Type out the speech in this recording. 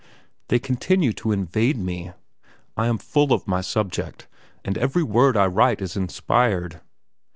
They continue to invade me; I am full of my subject, and every word I write is inspired.